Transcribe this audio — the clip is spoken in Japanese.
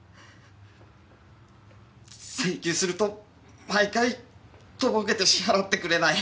請求すると毎回とぼけて支払ってくれない。